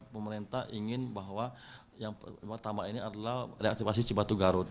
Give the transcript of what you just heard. pemerintah ingin bahwa yang pertama ini adalah reaktivasi cibatu garut